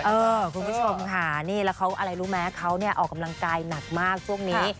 คุณผู้ชมค่ะนี่แล้วเขาอะไรรู้ไหมเขาเนี่ยออกกำลังกายหนักมากช่วงนี้